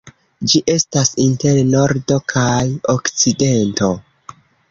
Ĝi estas inter Nordo kaj Okcidento.